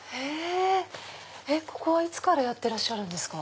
ここはいつからやってらっしゃるんですか？